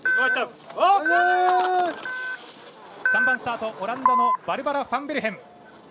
３番スタート、オランダのバルバラ・ファンベルヘン。